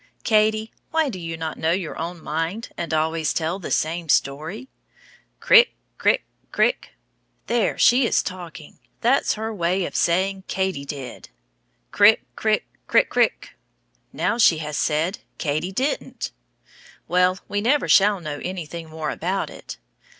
Katy, why do you not know your own mind and always tell the same story? Krick krick krick, there, she is talking; that's her way of saying "Katy did." Krick krick krickkrick. Now she has said "Katy didn't." Well, we never shall know anything more about it.